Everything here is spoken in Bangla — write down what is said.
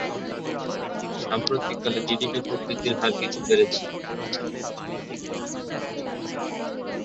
সাম্প্রতিককালে জিডিপি প্রবৃদ্ধির হার কিছু বেড়েছে।